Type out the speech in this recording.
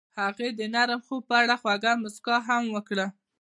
هغې د نرم خوب په اړه خوږه موسکا هم وکړه.